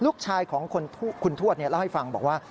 ลูกชายของคุณทวดเล่าให้ฟังบอกว่า